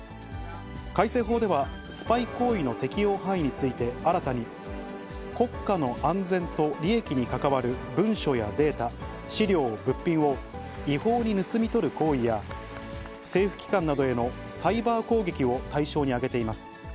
改正法ではスパイ行為の適用範囲について新たに、国家の安全と利益に関わる文書やデータ、資料、物品を違法に盗み取る行為や、政府機関などへのサイバー攻撃を対象に挙げています。